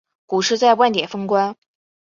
股市在万点封关